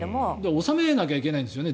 納めなきゃいけないんですよね